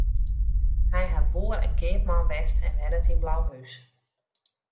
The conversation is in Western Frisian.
Hy hat boer en keapman west en wennet yn Blauhús.